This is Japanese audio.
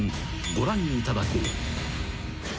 ご覧いただこう］